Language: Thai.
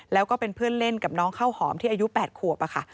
แล้วก็เป็นเพื่อนเล่นกับน้องข้าวหอมที่อายุ๘ขวบค่ะ